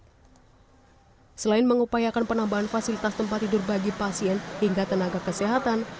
hai selain mengupayakan penambahan fasilitas tempat tidur bagi pasien hingga tenaga kesehatan